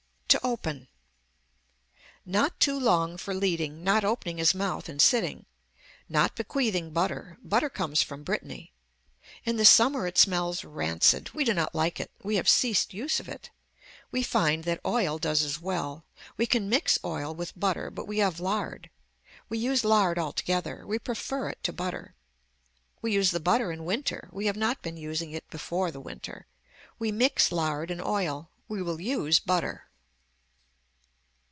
TO OPEN Not too long for leading, not opening his mouth and sitting. Not bequeathing butter. Butter comes from Brittany. In the summer it smells rancid. We do not like it. We have ceased use of it. We find that oil does as well. We can mix oil with butter but we have lard. We use lard altogether. We prefer it to butter. We use the butter in winter. We have not been using it before the winter. We mix lard and oil. We will use butter.